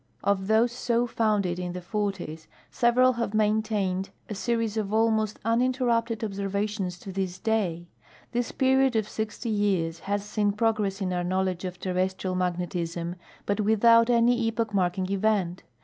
Of those so founded in the forties, several have maintained a series of almost uninterrupted observations to this day. This period of 60 yeare has seen j>rogress in our knowledge of terrestrial magnetism, but without any epoch marking event.